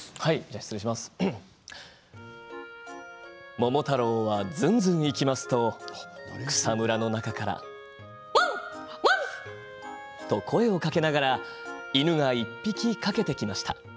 桃太郎はずんずん行きますと草むらの中からワンワンと声をかけながら犬が１匹かけてきました。